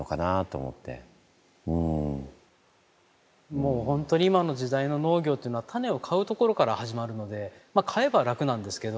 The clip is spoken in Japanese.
もう本当に今の時代の農業っていうのは種を買うところから始まるのでまあ買えば楽なんですけど。